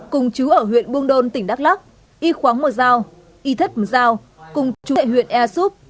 cùng chú ở huyện buông đôn tỉnh đắk lắk y khoáng mò giao y thất mò giao cùng chú tại huyện ea súp